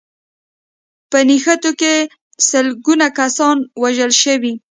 په نښتو کې سلګونه کسان وژل شوي